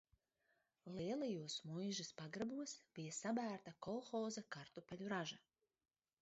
Lielajos muižas pagrabos bija sabērta kolhoza kartupeļu raža.